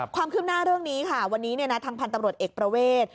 ความคืบหน้าเรื่องนี้ค่ะวันนี้ทางพันธ์ตำรวจเอกประเวท